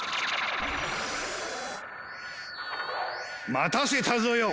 待たせたぞよ。